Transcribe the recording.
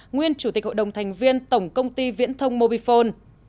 nguyên chủ tịch hội đồng thành viên tổng công ty viễn thông mobifone